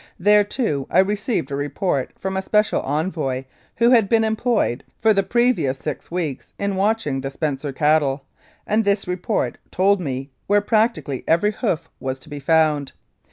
There, too, I re ceived a report from a special envoy, who had been employed for the previous six weeks in watching the Spencer cattle, and this report told me where practically every hoof was to be found.